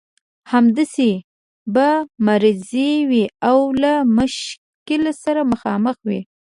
همداسې به مریض وي او له مشکل سره مخامخ وي.